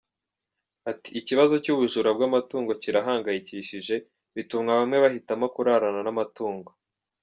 Ati “Ikibazo cy’ubujura bw’amatungo kirahangayikishije, bituma bamwe bahitamo kurarana n’amatungo.